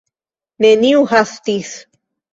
Neniu hastis.